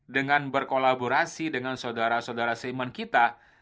dengan berkolaborasi dengan saudara saudara seiman kita